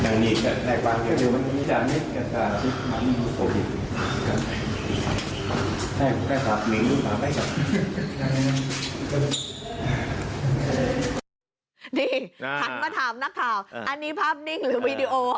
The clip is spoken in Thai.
นี่หันมาถามนักข่าวอันนี้ภาพนิ่งหรือวีดีโอ